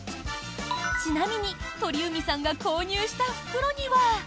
ちなみに鳥海さんが購入した袋には。